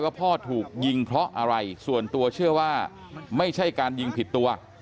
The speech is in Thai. พ่อถูกยิงเพราะอะไรส่วนตัวเชื่อว่าไม่ใช่การยิงผิดตัว